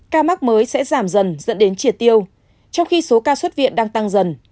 ca mắc mới sẽ giảm dần dẫn đến triệt tiêu trong khi số ca xuất viện đang tăng dần